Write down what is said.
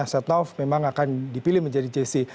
setnaf memang akan dipilih menjadi gc